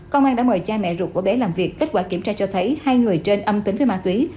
công an đã mời cha mẹ ruột của bé làm việc kết quả kiểm tra cho thấy hai người trên âm tính với ma túy